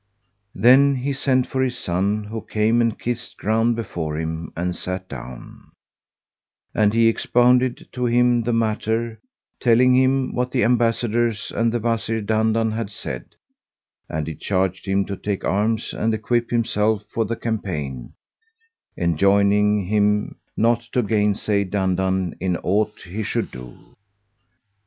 Then he sent for his son who came and kissed ground before him and sat down; and he expounded to him the matter, telling him what the Ambassadors and the Wazir Dandan had said, and he charged him to take arms and equip himself for the campaign, enjoining him not to gainsay Dandan in aught he should do.